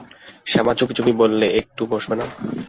শ্যামা চুপি চুপি বললে, একটু বসবে না?